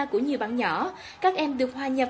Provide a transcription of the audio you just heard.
của nhiều bạn nhỏ các em được hòa nhập